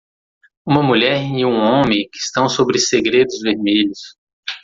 Uma mulher e um homem que estão sobre segredos vermelhos.